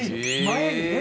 前にね。